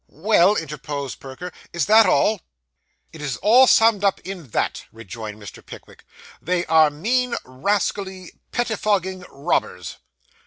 'Well,' interposed Perker, 'is that all?' 'It is all summed up in that,' rejoined Mr. Pickwick; 'they are mean, rascally, pettifogging robbers.